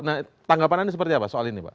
nah tanggapan anda seperti apa soal ini pak